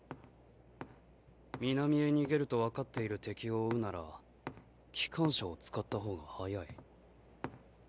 南へ逃げるとわかっている敵を追うなら機関車を使った方が早い。